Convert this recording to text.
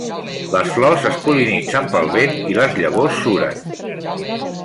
Les flors es pol·linitzen pel vent i les llavors suren.